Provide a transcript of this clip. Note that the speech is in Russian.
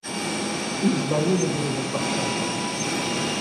И избавление было в руках каждого.